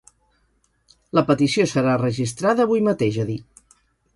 La petició serà registrada avui mateix, ha dit.